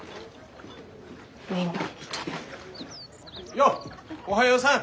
ようおはようさん！